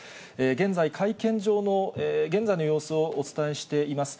現在、会見場の現在の様子をお伝えしています。